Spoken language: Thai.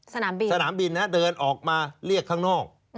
สนามบินสนามบินเดินออกมาเรียกข้างนอก